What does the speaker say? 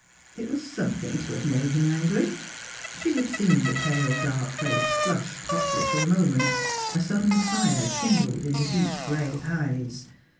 It was something to have made him angr}^ She had seen the pale dark face flush hotly for a moment; a sudden fire kindled in the deep grey eyes.